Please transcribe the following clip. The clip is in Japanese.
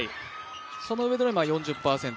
そのうえでの４０％。